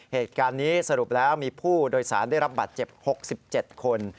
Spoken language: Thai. เหตุการณ์นี้สรุปแล้วมีผู้โดยสารได้รับบาดเจ็บ๖๗คน